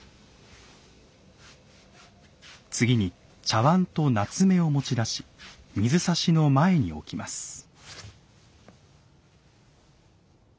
次に茶碗と棗を持ち出し水指の前に置きます。